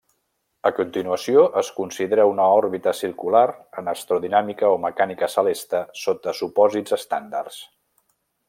A continuació es considera una òrbita circular en astrodinàmica o mecànica celeste sota supòsits estàndards.